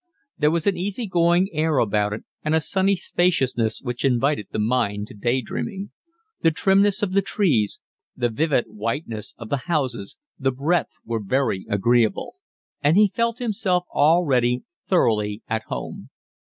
There was an easy going air about it, and a sunny spaciousness which invited the mind to day dreaming. The trimness of the trees, the vivid whiteness of the houses, the breadth, were very agreeable; and he felt himself already thoroughly at home.